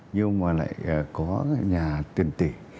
nhưng mà lại có nhà tiền tỉ